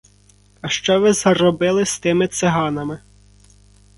— А що ви зробили з тими циганами?